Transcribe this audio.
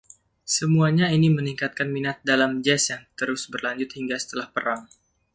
Semuanya ini meningkatkan minat dalam jazz yang terus berlanjut hingga setelah perang.